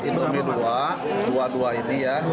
indomie dua dua dua ini ya